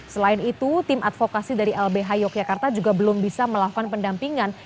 selain itu tim advokasi dari lbh yogyakarta juga belum bisa melakukan pendampingan